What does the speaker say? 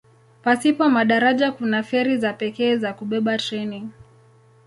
Pasipo madaraja kuna feri za pekee za kubeba treni.